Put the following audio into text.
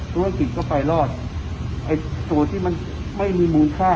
ตัวเกี่ยวกับกอเขรอดไอตัวที่มันไม่มีหมูค่า